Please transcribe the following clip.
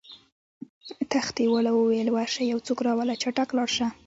تختې والاو وویل: ورشه یو څوک راوله، چټک لاړ شه.